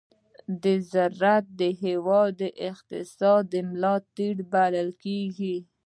زراعت د هېواد د اقتصاد ملا تېر بلل کېږي.